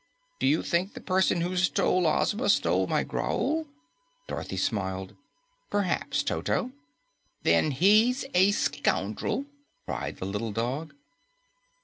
"Do you think the person who stole Ozma stole my growl?" Dorothy smiled. "Perhaps, Toto." "Then he's a scoundrel!" cried the little dog.